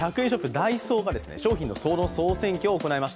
・ダイソーが商品の総選挙を行いました。